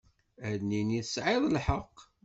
Ad nini tesεiḍ lḥeqq.